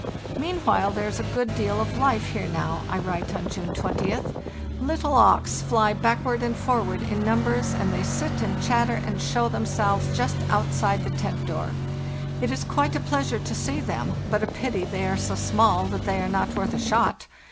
" Meanwhile there is a good deal of life here now," I write on June 2oth. FARTHEST NORTH bo (oe) LS) "Little auks fly backward and forward in numbers, and they sit and chatter and show themselves just outside the tent door; it 1s quite a pleasure to see them, but a pity they are so small that they are not worth a shot.